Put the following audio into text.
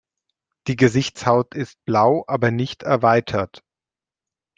Die Gesichtshaut ist blau, aber nicht erweitert.